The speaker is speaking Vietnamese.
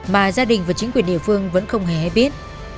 mà gia đình và chính quyền địa phương vẫn không hề hay biết